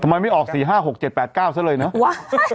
ทำไมไม่ออกสี่ห้าหกเจ็ดแปดเก้าซะเลยเนอะ